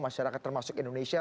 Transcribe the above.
masyarakat termasuk indonesia